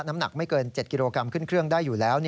น้ำหนักไม่เกิน๗กิโลกรัมขึ้นเครื่องได้อยู่แล้ว